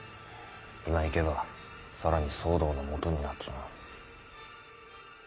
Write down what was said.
今行けば更に騒動のもとになっちまう。